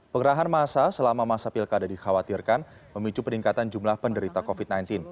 pengerahan masa selama masa pilkada dikhawatirkan memicu peningkatan jumlah penderita covid sembilan belas